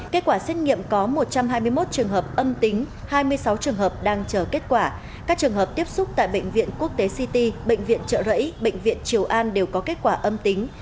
kết quả xét nghiệm có một trăm hai mươi một trường hợp âm tính hai mươi sáu trường hợp đang chờ kết quả các trường hợp tiếp xúc tại bệnh viện quốc tế ct bệnh viện trợ rẫy bệnh viện triều an đều có kết quả âm tính